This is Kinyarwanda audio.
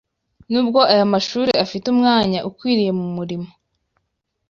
Nubwo aya mashuri afite umwanya ukwiriye mu murimo